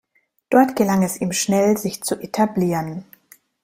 Dort gelang es ihm schnell, sich zu etablieren.